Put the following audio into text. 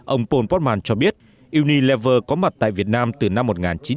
ông paul portman cho biết unilever có mặt tại việt nam từ năm một nghìn chín trăm chín mươi năm